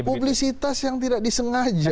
publisitas yang tidak disengaja